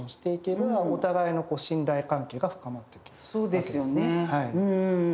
そうですよね。